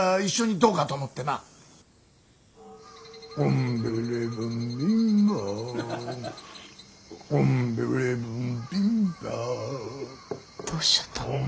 どうしちゃったの。